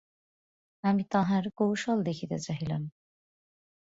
আমি তাঁহার কৌশল দেখিতে চাহিলাম।